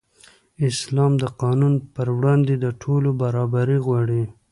اسلام د قانون پر وړاندې د ټولو برابري غواړي.